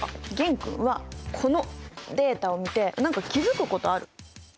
玄君はこのデータを見て何か気付くことある？